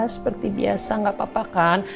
seperti biasa gak papa kan